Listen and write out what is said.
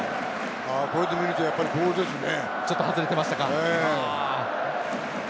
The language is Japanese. こうやって見るとボールですね。